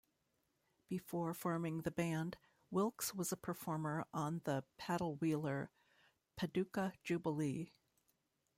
Before forming the band, Wilkes was a performer on the paddle wheeler Paducah Jubilee.